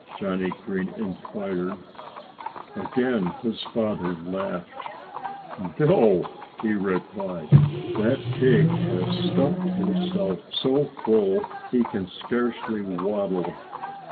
Johnnie Green inquired. Again his father laughed. "No!" he replied. "That pig has stuffed himself so full he can scarcely waddle."